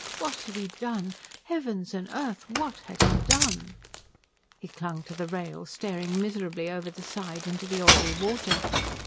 What had he done? Heavens and earth, what had he done? He clung to the rail, staring miserably over the side into the oily water.